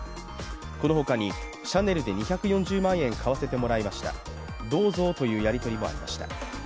このほかにシャネルで２４０万円買わせてもらいましたどーぞーというやり取りもありました。